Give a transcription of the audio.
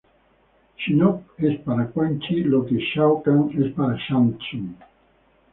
Shinnok es para Quan Chi lo que Shao Kahn es para Shang Tsung.